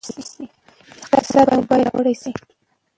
اقتصاد مو باید پیاوړی شي.